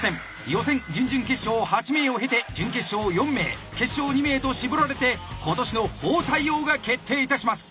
予選準々決勝８名を経て準決勝４名決勝２名と絞られて今年の包帯王が決定いたします。